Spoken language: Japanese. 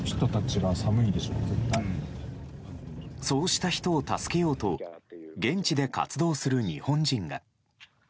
そうした人を助けようと現地で活動する日本人が。